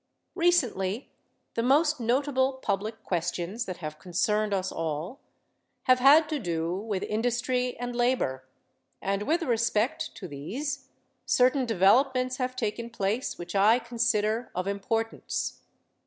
Recently the most notable public questions that have concerned us all have had to do with industry and labor and with respect to these, certain developments have taken place which I consider of importance.